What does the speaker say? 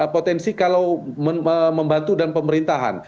potensi kalau membantu dan pemerintahan